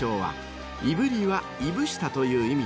［いぶりはいぶしたという意味］